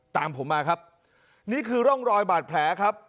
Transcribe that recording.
ตามผมมาครับนี่คือร่องรอยบาดแผลครับ